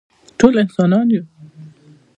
ټول انسانان یو